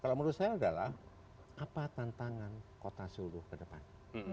kalau menurut saya adalah apa tantangan kota solo ke depan